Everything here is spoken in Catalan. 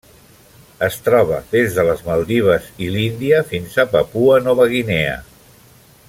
Es troba des de les Maldives i l'Índia fins a Papua Nova Guinea.